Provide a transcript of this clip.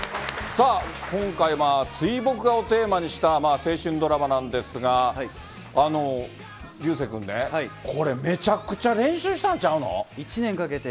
さあ、今回、水墨画をテーマにした青春ドラマなんですが、流星君ね、これ、めちゃくちゃ練習したんちゃうの？